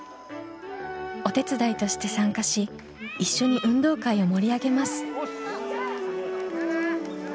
お手伝いとして参加し一緒に運動会を盛り上げます。